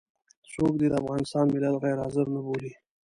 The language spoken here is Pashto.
څوک دې د افغانستان ملت غير حاضر نه بولي.